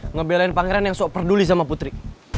ngebelain pangeran yang peduli sama putri